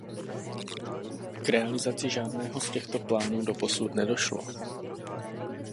K realizaci žádného z těchto plánů doposud nedošlo.